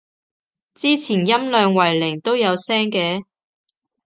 之前音量為零都有聲嘅